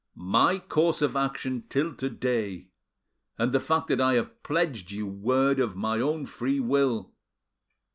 "My course of action till to day, and the fact that I have pledged you my word of my own free will."